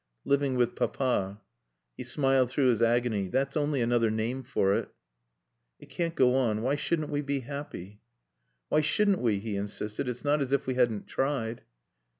"Living with Papa." He smiled through his agony. "That's only another name for it. "It can't go on. Why shouldn't we be happy? "Why shouldn't we?" he insisted. "It's not as if we hadn't tried."